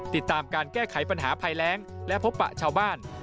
ติดตามการแก้ไขปัญหาภัยแรงและพบปะชาวบ้าน